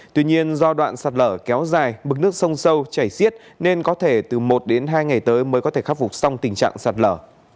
tuy nhiên do đoạn sạt lở kéo dài bực nước sông sâu chảy xiết nên có thể từ một đến hai ngày tới mới có thể khắc phục xong tình trạng sạt lở